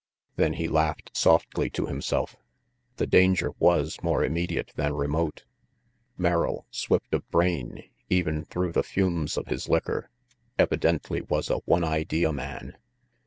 Then he laughed softly to himself. The danger was more immediate than remote. Merrill, swift of brain even through the fumes of his liquor, evidently was a one idea man.